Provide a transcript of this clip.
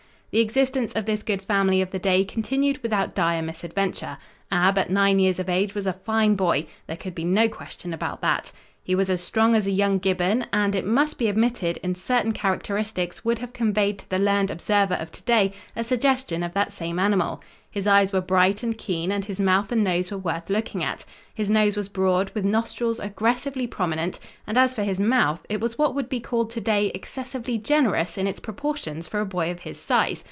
The existence of this good family of the day continued without dire misadventure. Ab at nine years of age was a fine boy. There could be no question about that. He was as strong as a young gibbon, and, it must be admitted, in certain characteristics would have conveyed to the learned observer of to day a suggestion of that same animal. His eyes were bright and keen and his mouth and nose were worth looking at. His nose was broad, with nostrils aggressively prominent, and as for his mouth, it was what would be called to day excessively generous in its proportions for a boy of his size.